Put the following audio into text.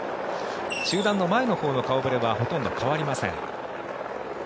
集団の前のほうの顔触れはほとんど変わりません。